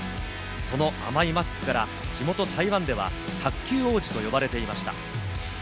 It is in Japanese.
その甘いマスクから地元・台湾では卓球王子と呼ばれていました。